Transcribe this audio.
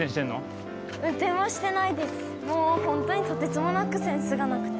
ホントにとてつもなくセンスがなくて。